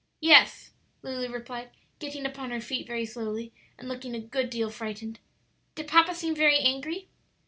'" "Yes," Lulu replied, getting upon her feet very slowly, and looking a good deal frightened; "did papa seem very angry?"